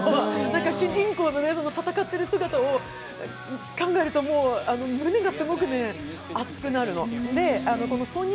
主人公の戦ってる姿を考えるともう胸がすごく熱くなるの。